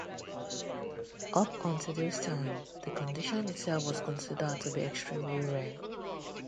Up until this time, the condition itself was considered to be extremely rare.